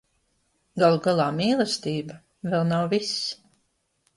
Galu galā mīlestība vēl nav viss.